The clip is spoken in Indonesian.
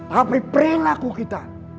tapi perilaku kita